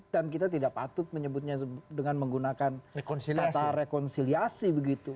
dan kita tidak patut menyebutnya dengan menggunakan kata rekonsiliasi begitu